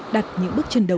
đặt những bước chân đấu